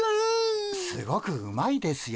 すごくうまいですよ。